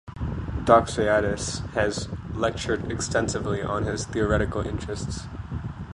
Doxiadis has lectured extensively on his theoretical interests.